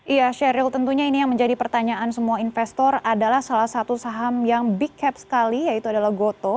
iya sheryl tentunya ini yang menjadi pertanyaan semua investor adalah salah satu saham yang big cap sekali yaitu adalah goto